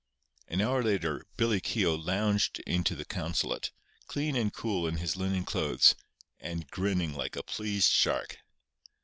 An hour later Billy Keogh lounged into the consulate, clean and cool in his linen clothes, and grinning like a pleased shark.